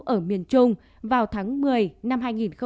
ở miền trung vào tháng một mươi năm hai nghìn hai mươi